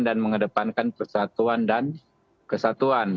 dan mengedepankan persatuan dan kesatuan